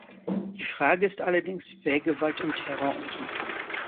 Die Frage ist allerdings, wer Gewalt und Terror ausübt.